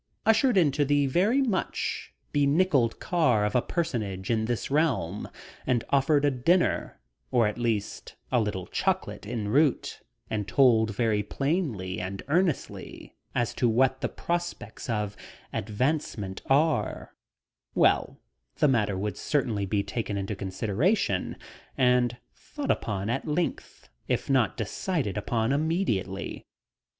Ushered into the very much benickeled car of a personage in this realm and offered a dinner or at least a little chocolate en route and told very plainly and earnestly as to what the prospects of advancement are well the matter would certainly be taken into consideration and thought upon at length, if not decided upon immediately.